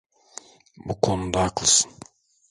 Bu konuda haklısın.